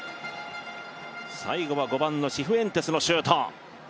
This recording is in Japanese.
最後は５番のシフエンテスのシュート。